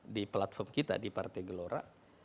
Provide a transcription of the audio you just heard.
di platform kita di partai gelora